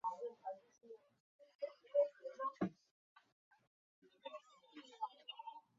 植物孢粉分析表明当时的气候不像蓝田人生活的时期那样温暖而湿润。